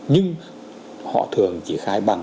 nhưng họ thường chỉ khai bằng